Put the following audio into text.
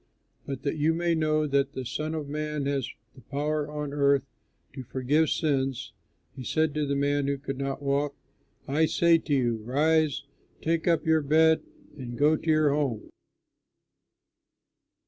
But that you may know that the Son of Man has the power on earth to forgive sins" (he said to the man who could not walk) "I say to you, Rise, take up your bed, and go to your home."